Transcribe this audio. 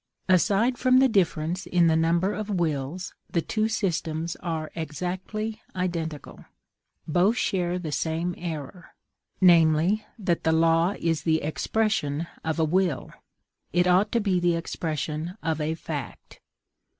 Aside from the difference in the number of wills, the two systems are exactly identical: both share the same error, namely, that the law is the expression of a will; it ought to be the expression of a fact.